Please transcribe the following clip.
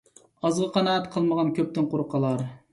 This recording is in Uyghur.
ئازغا قانائەت قىلمىغان كۆپتىن قۇرۇق قالار.